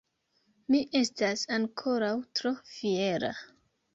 Mi estas ankoraŭ tro fiera!